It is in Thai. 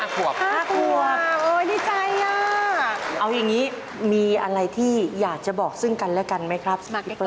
พอลงแล้วห้าขวบ